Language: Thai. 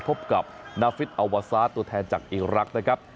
พบกับนาฟิตอัลวาซาสตัวแทนจากอีรักษ์นะครับ